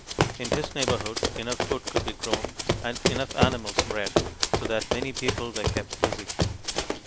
In his neighborhood enough food could be grown and enough animals bred so that many people were kept busy.